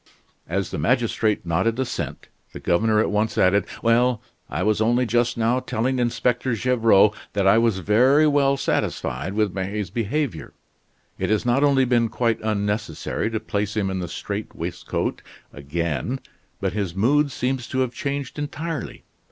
As the magistrate nodded assent, the governor at once added: "Well I was only just now telling Inspector Gevrol that I was very well satisfied with May's behavior. It has not only been quite unnecessary to place him in the strait waistcoat again, but his mood seems to have changed entirely.